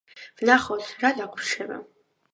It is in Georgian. ვნახოთ რა დაგვრჩება.